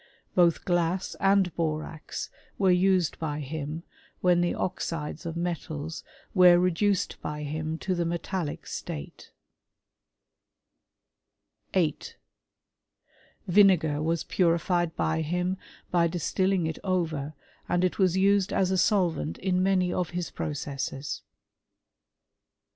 127 Both glass and borax were used by him when the oxides of metals were reduced by him to the metallic state. 8. Vinegar wa^purified by him by distilling it over^ and it was used as a solvent in many of his processes.